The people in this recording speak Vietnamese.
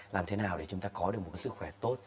làm thế nào để chúng ta có được một sức khỏe tốt